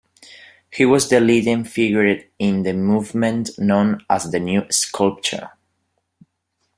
He was the leading figure in the movement known as the New Sculpture.